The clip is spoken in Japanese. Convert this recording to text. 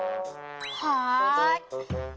はい。